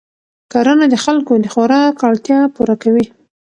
کرنه د خلکو د خوراک اړتیا پوره کوي